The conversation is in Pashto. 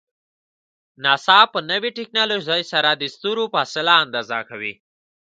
ناسا په نوی ټکنالوژۍ سره د ستورو فاصله اندازه کوي.